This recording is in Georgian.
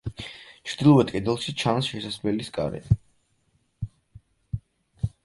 ჩრდილოეთ კედელში ჩანს შესასვლელის კარი.